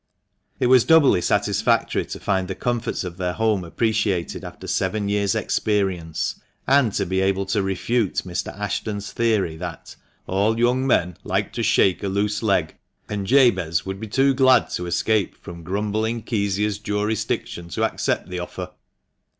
It was doubly satisfactory to find the comforts of their home appreciated after seven years' experience, and to be able to refute Mr. Ashton's theory that "all young men like to shake a loose leg, and Jabez would be too glad to escape from grumbling Kezia's jurisdiction to accept the offer."